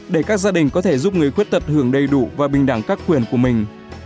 để các gia đình có thể giúp người khuyết tật hưởng đầy đủ và bình đẳng các quyền của mình